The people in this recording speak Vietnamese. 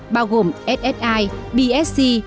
bao gồm ssi bsc